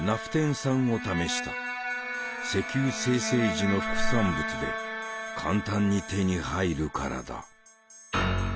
石油精製時の副産物で簡単に手に入るからだ。